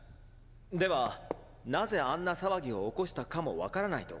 ではなぜあんな騒ぎを起こしたかも分からないと。